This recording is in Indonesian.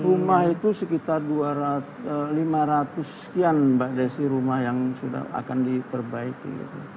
rumah itu sekitar lima ratus sekian mbak desi rumah yang sudah akan diperbaiki